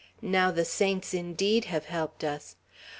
Now the saints indeed have helped us!